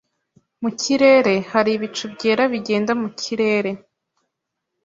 Mu kirere hari ibicu byera bigenda mu kirere